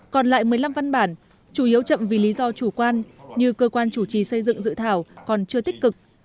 còn lại một mươi năm văn bản chủ yếu chậm vì lý do chủ quan như cơ quan chủ trì xây dựng dự thảo còn chưa tích cực